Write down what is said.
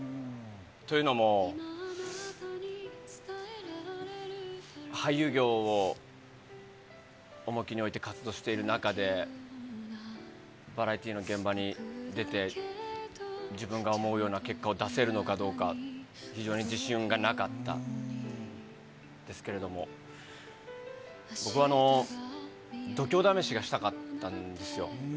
というのも、俳優業を重きに置いて活動している中で、バラエティの現場に出て、自分が思うような結果を出せるのかどうか、非常に自信がなかったですけれども、僕は度胸試しがしたかったんですよ。